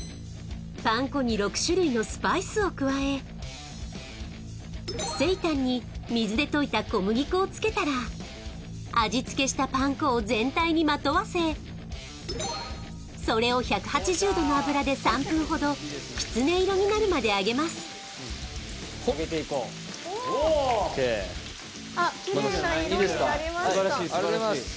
パン粉に６種類のスパイスを加えセイタンに水で溶いた小麦粉をつけたら味付けしたパン粉を全体にまとわせそれを１８０度の油で３分ほどきつね色になるまで揚げます揚げていこうおお綺麗な色になりました